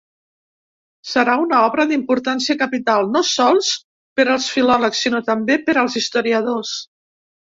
Serà una obra d'importància capital no sols per als filòlegs, sinó també per als historiadors.